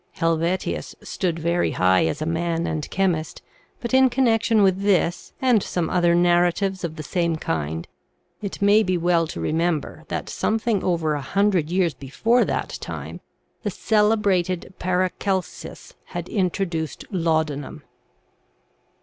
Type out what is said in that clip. Helvetius stood very high as a man and chemist, but in connection with this and some other narratives of the same TRANSMUTATION OF THE METALS 87 kind, it may be well to remember that something over a hundred years before that time the celebrated Paracelsus had introduced laudanum.